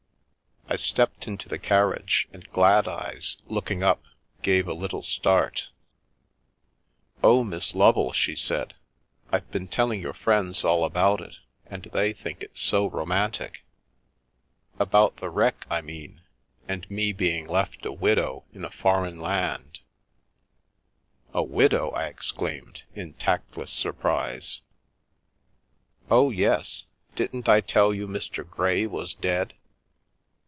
I stepped into the carriage, and Gladeyes, looking up, gave a little start II Oh, Miss Lovd," she said, " I've been telling your friends all about it, and they think it's so romantic 206 A Long Lost Parent About the wreck, I mean, and me being left a widow in a foreign land" " A widow !" I exclaimed, in tactless surprise. "Oh, yes, didn't I tell you Mr. Grey was dead?